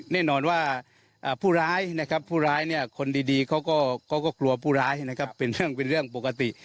แน่นอนว่าผู้ร้ายนะครับผู้ร้ายเนี่ยคนดีเขาก็กลัวผู้ร้ายนะครับเป็นเรื่องเป็นเรื่องปกติ